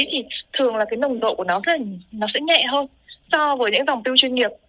thì thường là cái nồng độ của nó sẽ nhẹ hơn so với những dòng piu chuyên nghiệp